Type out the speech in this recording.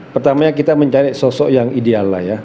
pertamanya kita mencari sosok yang ideal lah ya